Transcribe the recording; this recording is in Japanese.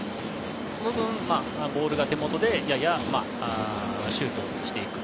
その分、ボールが手元でややシュートしていく。